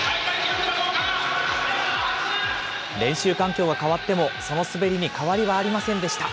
練習環境は変わっても、その滑りに変わりはありませんでした。